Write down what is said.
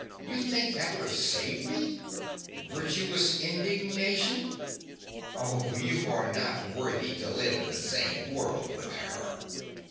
You think that would have saved me virtuous indignation! Oh, you are not worthy to live in the same world with her.